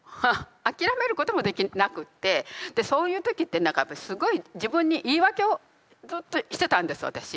諦めることもできなくってそういう時って何かやっぱりすごい自分に言い訳をずっとしてたんです私。